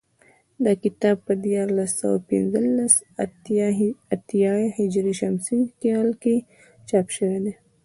دا کتاب په دیارلس سوه پنځه اتیا هجري شمسي کال کې چاپ شوی دی